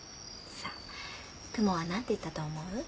さあ雲は何て言ったと思う？